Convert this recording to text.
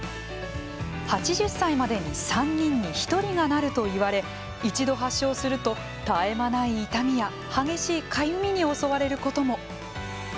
８０歳までに３人に１人がなるといわれ一度発症すると絶え間ない痛みや激しいかゆみに襲われることも。